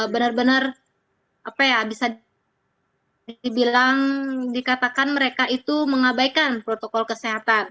benar benar apa ya bisa dibilang dikatakan mereka itu mengabaikan protokol kesehatan